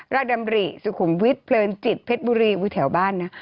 ระดำริสุขุมวิทย์เพลินจิตเพชรบุรีแถวบ้านนะ